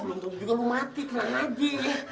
belum tahu juga lo mati tenang abi